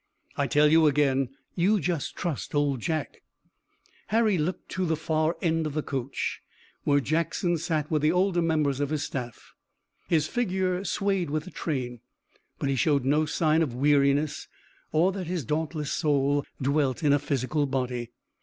"I tell you again, you just trust Old Jack." Harry looked toward the far end of the coach where Jackson sat with the older members of his staff. His figure swayed with the train, but he showed no sign of weariness or that his dauntless soul dwelt in a physical body.